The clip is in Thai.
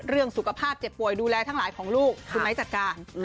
เรื่องสุขภาพเจ็บป่วยดูแลทั้งหลายของลูกคุณไม้จัดการ